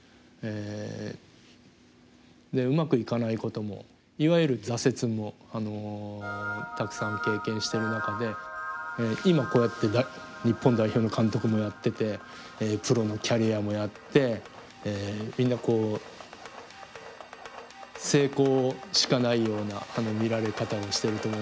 でうまくいかないこともいわゆる挫折もたくさん経験してる中で今こうやって日本代表の監督もやっててプロのキャリアもやってみんなこう成功しかないような見られ方をしていると思いますけど。